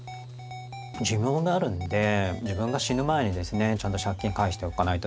寿命があるんで自分が死ぬ前にですねちゃんと借金返しておかないとですね